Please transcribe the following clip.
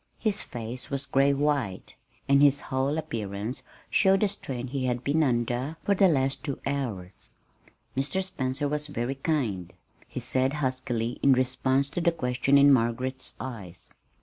His face was gray white, and his whole appearance showed the strain he had been under for the last two hours. "Mr. Spencer was very kind," he said huskily in response to the question in Margaret's eyes.